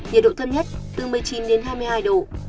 nhiệt độ thấp nhất từ một mươi chín đến hai mươi hai độ